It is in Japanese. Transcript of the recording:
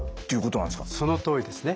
そのとおりですね。